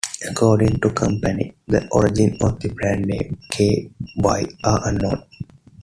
According to the company, The origins of the brand name 'K-Y' are unknown.